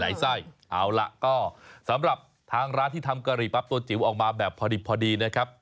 ไส้เอาล่ะก็สำหรับทางร้านที่ทำกะหรี่ปั๊บตัวจิ๋วออกมาแบบพอดีนะครับ